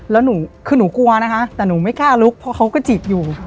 แล้วหนูคือหนูกลัวนะคะแต่หนูไม่กล้าลุกเพราะเขาก็จีบอยู่